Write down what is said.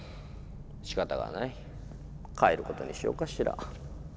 しかたがない帰ることにしようかしら。